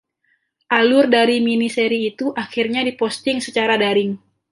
Alur dari miniseri itu akhirnya diposting secara daring.